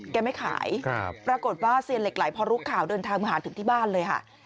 ไม่ขายปรากฏว่าเซียนเหล็กไหลพอรู้ข่าวเดินทางมาหาถึงที่บ้านเลยค่ะ